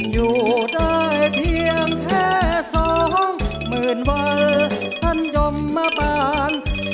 อยู่ได้เพียงแค่สองหมื่นวันท่านย่อมมาป่านจะให้ไปไหนก็ไป